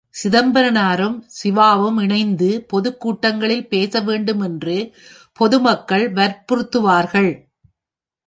சிதம்பரனாரும் சிவாவும் இணைந்து பொதுக் கூட்டங்களில் பேசவேண்டும் என்று பொதுமக்கள் வற்புறுத்துவார்கள்.